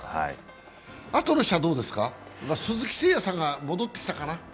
あとの人はどうですか、鈴木誠也選手は戻ってきたかな。